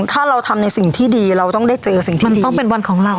ถ้าเราทำในสิ่งที่ดีเราต้องได้เจอสิ่งที่มันต้องเป็นวันของเรา